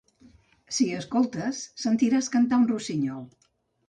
Si escoltes, sentiràs cantar un rossinyol.